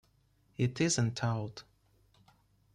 It isn't old.